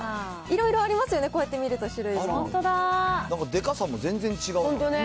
いろいろありますよね、こうやって見ると、なんかでかさも全然違う。